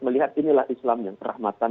melihat inilah islam yang kerahmatan